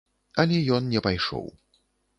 Але ён не пайшоў.